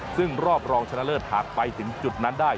ซึ่งรอบรองชนะเลิศหากไปถึงจุดนั้นได้